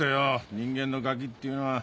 人間のガキっていうのは。